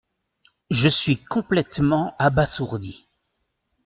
Je suis complètement abasourdi.